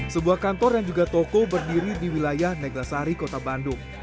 sebuah kantor yang juga toko berdiri di wilayah neglasari kota bandung